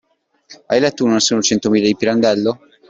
Hai letto "Uno, Nessuno e Centomila" di Pirandello?